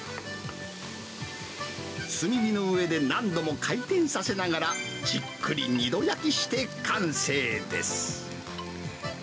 炭火の上で何度も回転させながら、じっくり２度焼きして完成です。